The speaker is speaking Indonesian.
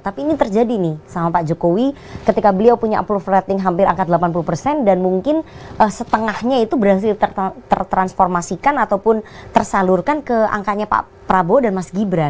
tapi ini terjadi nih sama pak jokowi ketika beliau punya approval rating hampir angka delapan puluh persen dan mungkin setengahnya itu berhasil tertransformasikan ataupun tersalurkan ke angkanya pak prabowo dan mas gibran